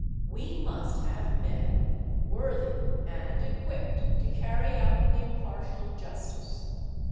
We must have men worthy and equipped to carry out impartial justice.